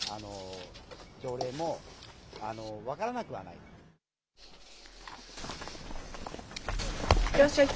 いってらっしゃい。